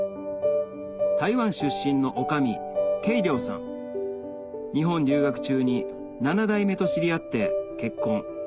台湾出身の女将恵亮さん日本留学中に７代目と知り合って結婚